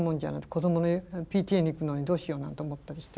子どものＰＴＡに行くのにどうしようなんて思ったりして。